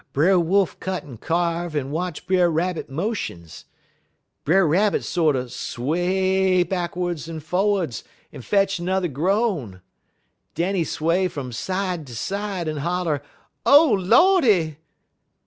Brer Wolf cut un kyarve un watch Brer Rabbit motions. Brer Rabbit sorter sway backerds un forrerds un fetch 'n'er groan. Den he sway fum side to side un holler 'O Lordy!'